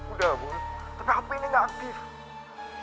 udah bund tapi ini gak aktif